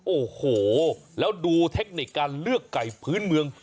โอ้โหแล้วดูเทคนิคการเลือกไก่พื้นเมือง